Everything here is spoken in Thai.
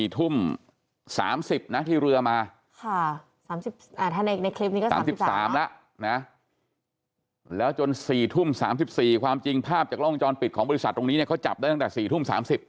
๓๐นะที่เรือมาถ้าในคลิปนี้ก็๓๓แล้วนะแล้วจน๔ทุ่ม๓๔ความจริงภาพจากล้องวงจรปิดของบริษัทตรงนี้เนี่ยเขาจับได้ตั้งแต่๔ทุ่ม๓๐